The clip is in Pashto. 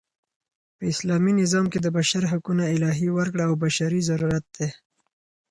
په اسلامي نظام کښي د بشر حقونه الهي ورکړه او بشري ضرورت دئ.